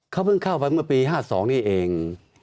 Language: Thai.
เขาเพิ่งเข้าไปเมื่อปี๕๒นี่เอง